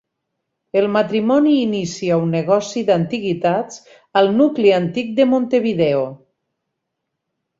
El matrimoni inicia un negoci d'antiguitats al nucli antic de Montevideo.